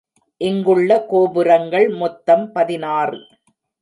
இங்குள்ள கோபுரங்கள் மொத்தம் பதினாறு.